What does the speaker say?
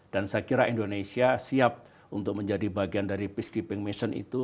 dan saya kira indonesia siap untuk menjadi bagian dari peacekeeping mission itu